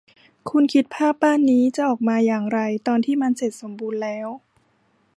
คุณคิดภาพบ้านนี้จะออกมาอย่างไรตอนที่มันเสร็จสมบูรณ์แล้ว